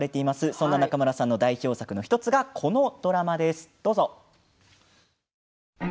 そんな中村さんの代表作の１つがこのドラマです。